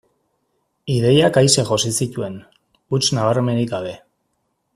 Ideiak aise josi zituen, huts nabarmenik gabe.